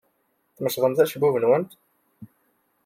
Tmecḍemt acebbub-nwent?